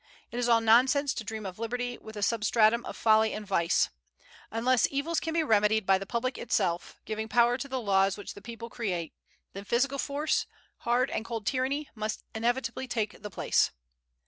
It is all nonsense to dream of liberty with a substratum of folly and vice. Unless evils can be remedied by the public itself, giving power to the laws which the people create, then physical force, hard and cold tyranny, must inevitably take the place.